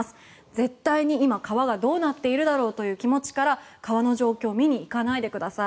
絶対に今、川はどうなっているだろうという気持ちから川の状況を見に行かないでください。